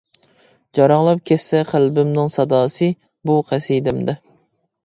جاراڭلاپ كەتسە قەلبىمنىڭ ساداسى بۇ قەسىدەمدە.